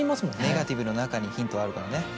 ネガティブの中にヒントはあるからね。